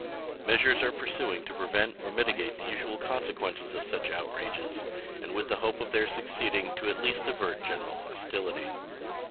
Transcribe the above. Measures are pursuing to prevent or mitigate the usual consequences of such outrages, and with the hope of their succeeding at least to avert general hostility.